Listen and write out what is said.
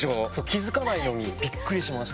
気付かないのにビックリしました。